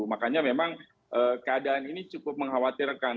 makanya memang keadaan ini cukup mengkhawatirkan